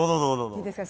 いいですか？